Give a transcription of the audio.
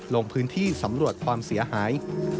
ลงพื้นที่สำรวจความเสียหาย